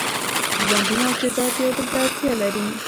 ژوندي موجودات یو بل ته اړتیا لري